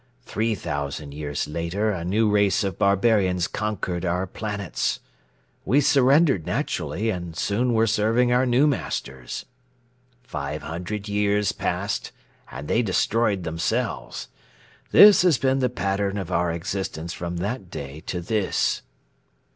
Three thousand years later a new race of barbarians conquered our planets. We surrendered naturally and soon were serving our new masters. Five hundred years passed and they destroyed themselves. This has been the pattern of our existence from that day to this."